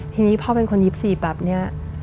ทีนี้พอเป็นคนยิบสี่แบบเนี่ย